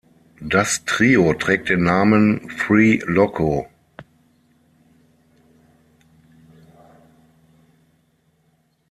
Das Trio trägt den Namen "Three Loco".